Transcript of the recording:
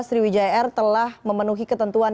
sriwijaya air telah memenuhi ketentuan